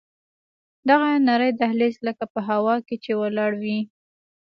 دغه نرى دهلېز لکه په هوا کښې چې ولاړ وي.